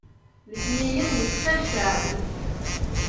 letniyen yesser ceɛbet